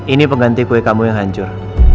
ini pengganti kue kamu yang hancur